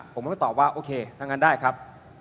ผมก็ตอบว่าโอเคถ้างั้นได้ครับ